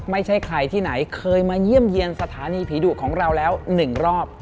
ไม่ใช่ใครที่ไหนเคยมาเยี่ยมเยี่ยมสถานีผีดุของเราแล้ว๑รอบ